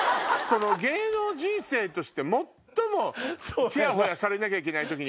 芸能人生として最もちやほやされなきゃいけない時に。